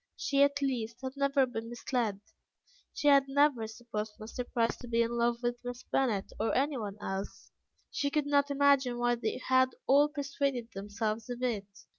She at least had never been misled; she had never supposed Mr. Price to be in love with Miss Bennet or anyone else. She could not imagine why they had all persuaded themselves of it.